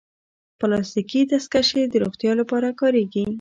پلاستيکي دستکشې د روغتیا لپاره کارېږي.